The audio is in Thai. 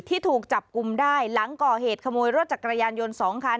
ถูกจับกลุ่มได้หลังก่อเหตุขโมยรถจักรยานยนต์๒คัน